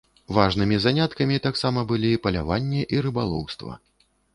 Важнымі заняткамі таксама былі паляванне і рыбалоўства.